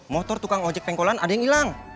motor tukang ojek pengkolan ada yang hilang